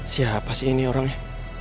siapa sih ini orangnya